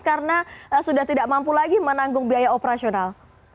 karena sudah tidak mampu lagi menanggung biaya operasional